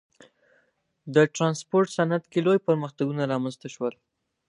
د ټرانسپورت صنعت کې لوی پرمختګونه رامنځته شول.